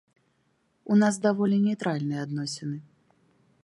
У нас даволі нейтральныя адносіны.